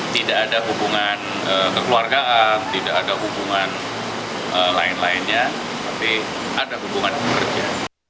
tidak ada hubungan kekeluargaan tidak ada hubungan lain lainnya tapi ada hubungan kerja